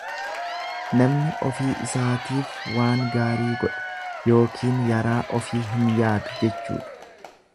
Namni ofii isaatif waan gaarii godha yookiin yaraa ofii hin yaadu jechuudha.